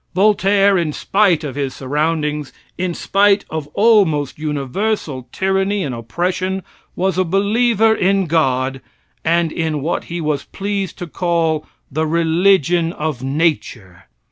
Voltaire, in spite of his surroundings, in spite of almost universal tyranny and oppression, was a believer in God and in what he was pleased to call the religion of nature.